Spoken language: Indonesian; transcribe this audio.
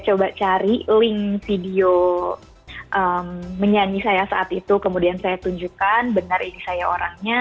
coba cari link video menyanyi saya saat itu kemudian saya tunjukkan benar ini saya orangnya